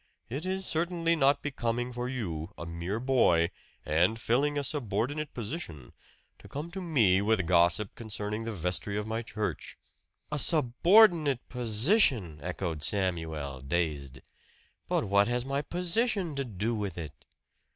It is certainly not becoming for you, a mere boy, and filling a subordinate position, to come to me with gossip concerning the vestry of my church." "A subordinate position!" echoed Samuel dazed. "But what has my position to do with it?"